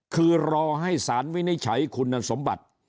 คือรอให้สารวินิจฉัยคุณสมบัติ